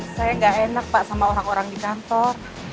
saya nggak enak pak sama orang orang di kantor